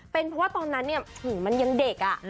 เป็นเพราะว่าตอนนั้นมันยังเด็ก